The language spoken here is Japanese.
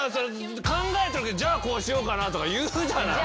考えたとき「じゃあこうしようかな」とか言うじゃない。